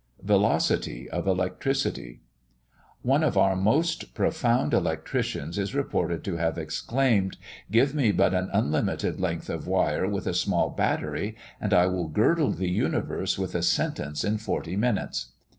_ VELOCITY OF ELECTRICITY. One of our most profound electricians is reported to have exclaimed, "Give me but an unlimited length of wire, with a small battery, and I will girdle the universe with a sentence in forty minutes."